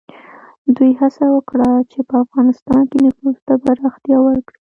دوی هڅه وکړه چې په افغانستان کې نفوذ ته پراختیا ورکړي.